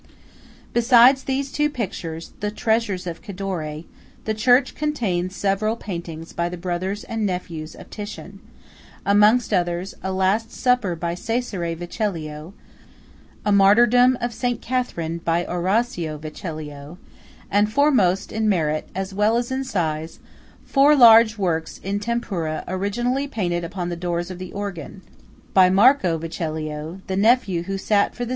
Besides these two pictures, the treasures of Cadore, the church contains several paintings by the brothers and nephews of Titian; amongst others, a Last Supper by Cesare Vecellio; a Martyrdom of St. Catherine by Orazio Vecellio; and, foremost in merit as well as in size, four large works in tempera originally painted upon the doors of the organ, by Marco Vecellio, the nephew who sat for the S.